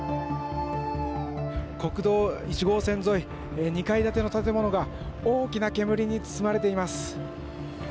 国道１号線沿い、２階建ての建物が大きな煙に包まれています。